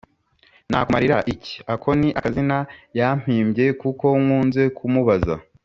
nakumarira iki ?" ako ni akazina yampimbye kuko nkunze kumubaza